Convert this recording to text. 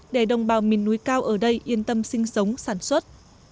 để đồng bào miền núi cao ở đây yên tâm sinh sống sản xuất